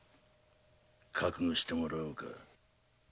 覚悟してもらおうか。